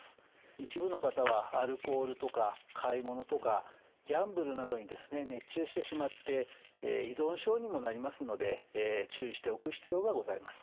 一部の方はアルコールとか買い物とかギャンブルなどに熱中してしまって依存症にもなりますので注意しておく必要がございます。